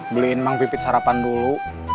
beliin mang pipit sarapan dulu